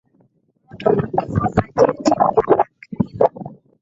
moto mwingi huwa kati ya timu ya acvilla